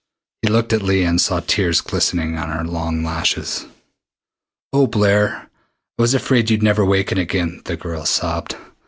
He looked at Leah and saw tears glistening on her long lashes. "Oh, Blair, I was afraid you'd never waken again," the girl sobbed.